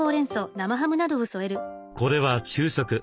これは昼食。